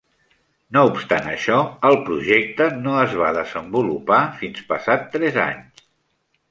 No obstant això, el projecte no es va desenvolupar fins passats tres anys.